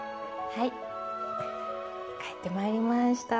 帰ってまいりました。